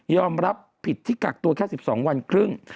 รับผิดที่กักตัวแค่๑๒วันครึ่ง